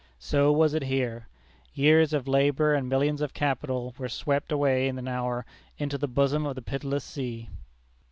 So was it here. Years of labor and millions of capital were swept away in an hour into the bosom of the pitiless sea.